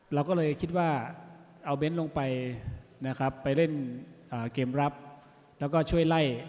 เราก็เลยคิดว่าเอาเน้นลงไปนะครับไปเล่นเกมรับแล้วก็ช่วยไล่